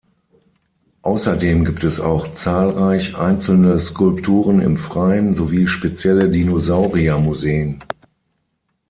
Außerdem gibt es auch zahlreich einzelne Skulpturen im Freien, sowie spezielle "Dinosaurier-Museen".